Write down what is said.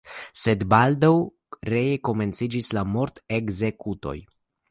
Sed baldaŭ ree komenciĝis la mortekzekutoj.